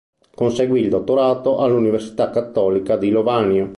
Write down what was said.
Conseguì il dottorato all'Università Cattolica di Lovanio.